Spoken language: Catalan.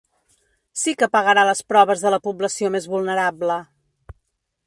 Sí que pagarà les proves de la població més vulnerable.